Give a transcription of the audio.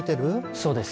そうです。